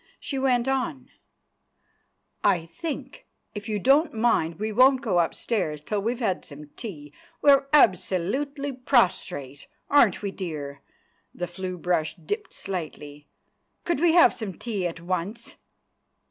She went on— "I think, if you don't mind, we won't go upstairs till we've had some tea. We are absolutely prostrate, aren't we, dear?" The flue brush dipped slightly. "Could we have some tea at once?"